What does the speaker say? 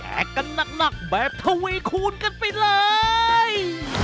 แอกกันนักแบบทะเวคูณกันไปเลย